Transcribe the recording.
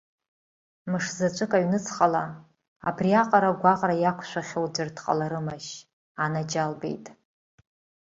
Мышзаҵәык аҩнуҵҟала, абриаҟара гәаҟра иақәшәахьоу ӡәыр дҟаларымашь, анаџьалбеит?!